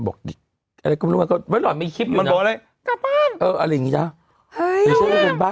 บอกอะไรก็ไม่รอดมีคลิปอยู่นะมันบอกอะไรเอออะไรอย่างงี้นะ